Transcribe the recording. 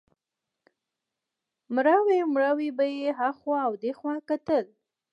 مړاوی مړاوی به یې هخوا او دېخوا کتل.